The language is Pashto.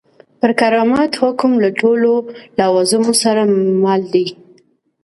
پر کرامت حکم له ټولو لوازمو سره مل دی.